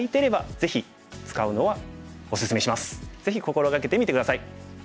ぜひ心掛けてみて下さい。